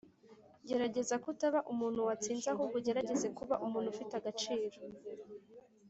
"gerageza kutaba umuntu watsinze, ahubwo ugerageze kuba umuntu ufite agaciro."